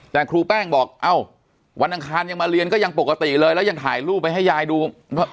แต่ครูแป้งบอกเอ้าวันอังคารยังมาเรียนก็ยังปกติเลยแล้วยังถ่ายรูปไปให้ยายดู